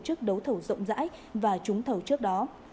tổ chức đấu thầu rộng rãi và trúng thầu trước đó